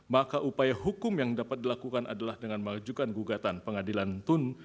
maka upaya hukum yang dapat dilakukan adalah dengan mengajukan gugatan pengadilan tun